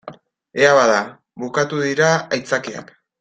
Ea bada, bukatu dira aitzakiak.